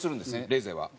レゼは。